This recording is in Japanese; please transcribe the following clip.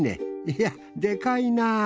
いやでかいなぁ。